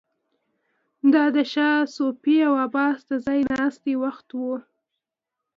دا د شاه صفوي او عباس د ځای ناستي وخت و.